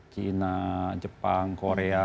china jepang korea